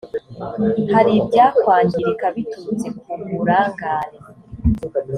hari ibyakwangirika biturutse ku burangare